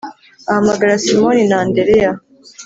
Ahamagara Simoni na Andereya